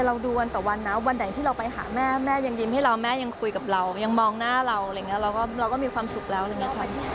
เราดูวันต่อวันนะวันไหนที่เราไปหาแม่แม่ยังยิ้มให้เราแม่ยังคุยกับเรายังมองหน้าเราอะไรอย่างนี้เราก็มีความสุขแล้วอะไรอย่างนี้ค่ะ